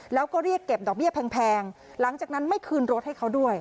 แล้วก็เรียกเก็บดอกเบี้ยแพงหลังจากนั้นไม่คืนรถให้เขาด้วย